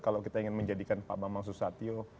kalau kita ingin menjadikan pak bamsud satyo